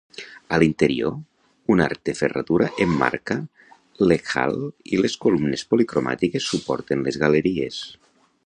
A l'interior, un arc de ferradura emmarca l'"hekhal" i les columnes policromàtiques suporten les galeries.